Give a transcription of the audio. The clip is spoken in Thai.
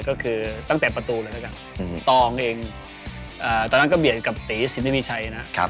ก็คือตั้งแต่ประตูเลยแล้วกันตองเองตอนนั้นก็เบียดกับตีสินไม่มีชัยนะ